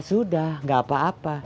ya sudah gak apa apa